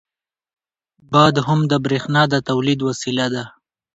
• باد هم د برېښنا د تولید وسیله ده.